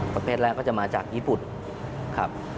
ประเภทแรกก็จะมาจากญี่ปุ่นครับ